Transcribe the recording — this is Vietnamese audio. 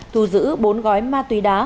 thu giữ bốn gói ma túy đá